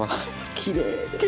きれいで。